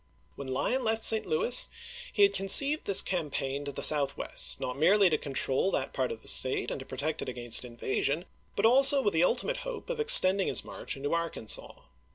When Lyon left St. Louis he had conceived this cam paign to the southwest, not merely to control that part of the State and to protect it against in vasion, but also with the ultimate hope of extend ing his march into Arkansas.